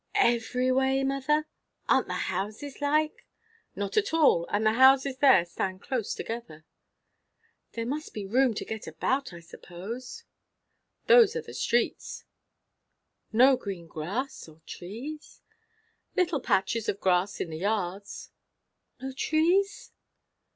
"Every way, mother? Aren't the houses like?" "Not at all. And the houses there stand close together." "There must be room to get about, I suppose?" "Those are the streets." "No green grass, or trees?" "Little patches of grass in the yards." "No trees?"